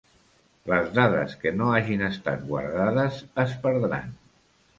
Les dades que no hagin estat guardades es perdran.